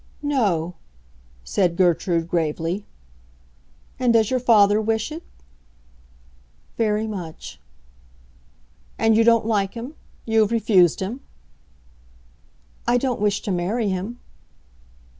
"No," said Gertrude, gravely. "And does your father wish it?" "Very much." "And you don't like him—you have refused him?" "I don't wish to marry him."